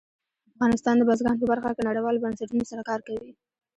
افغانستان د بزګان په برخه کې نړیوالو بنسټونو سره کار کوي.